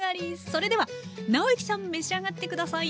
それでは尚之さん召し上がって下さい。